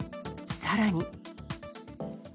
さらに。